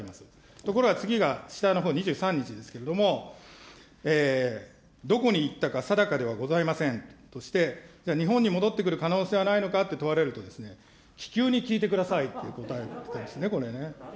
ところが次が、下のほう２３日ですけれども、どこに行ったか定かではございませんとして、じゃあ日本に戻ってくる可能性はないのかと問われるとですね、気球に聞いてくださいって答えたんですね、これね。